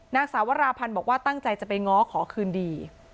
นางสาวราพันธ์บอกว่าตั้งใจจะไปง้อขอคืนดี